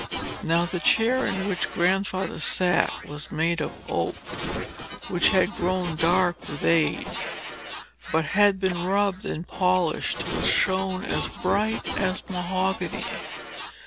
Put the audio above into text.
Now, the chair in which Grandfather sat was made of oak, which had grown dark with age, but had been rubbed and polished till it shone as bright as mahogany.